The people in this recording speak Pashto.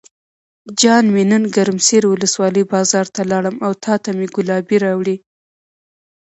جان مې نن ګرم سر ولسوالۍ بازار ته لاړم او تاته مې ګلابي راوړې.